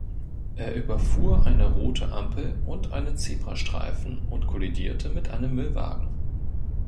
Er überfuhr eine rote Ampel und einen Zebrastreifen und kollidierte mit einem Müllwagen.